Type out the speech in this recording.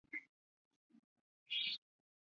请尊重每个人的生活习惯。